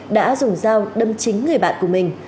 đã dùng dao đâm chính người bạn của mình